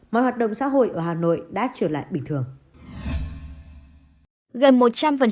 mọi hoạt động xã hội ở hà nội đã trở lại bình thường